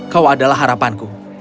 kau adalah harapanku